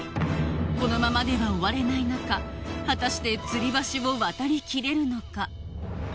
このままでは終われない中果たして吊り橋を渡りきれるのか？